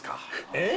えっ？